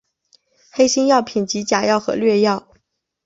黑心药品即假药和劣药。